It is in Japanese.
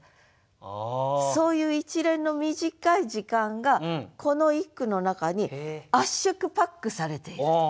そういう一連の短い時間がこの一句の中に圧縮パックされていると。